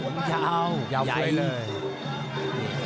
สูงยาวยายยาวสวยเลย